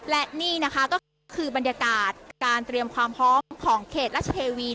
และนี่นะคะก็คือบรรยากาศการเตรียมความพร้อมของเขตรัชเทวี